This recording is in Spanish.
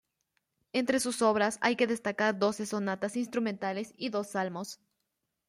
Entre sus obras hay que destacar doce sonatas instrumentales y dos salmos.